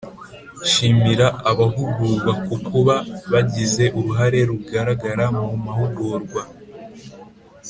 Shimira abahugurwa ku kuba bagize uruhare rugaragara mu mahugurwa